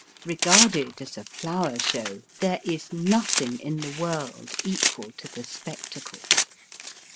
Eegarded as a flower show, there is nothing in the world equal to the spectacle.